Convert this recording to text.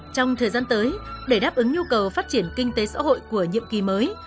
trong thời gian tới để đáp ứng nhu cầu phát triển kinh tế xã hội của nhiệm kỳ mới